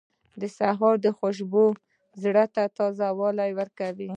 • د سهار خوشبو زړه ته تازهوالی ورکوي.